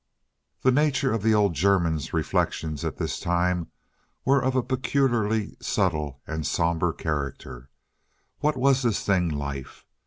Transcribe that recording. The nature of the old German's reflections at this time were of a peculiarly subtle and somber character. What was this thing—life?